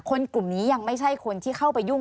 กลุ่มนี้ยังไม่ใช่คนที่เข้าไปยุ่ง